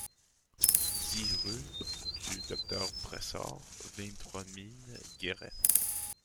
dix rue du Docteur Brésard, vingt-trois mille Guéret